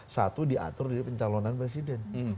satu diatur di pencalonan presiden